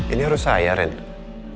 ini harus saya ren